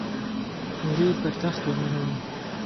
هورې پر تخت ولاړه وم .